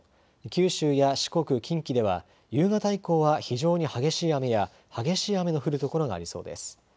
九州や四国、近畿では夕方以降は非常に激しい雨や激しい雨の降る所がありそうです。